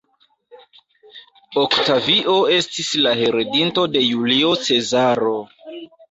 Oktavio estis la heredinto de Julio Cezaro.